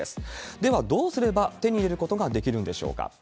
では、どうすれば手に入れることができるんでしょうか。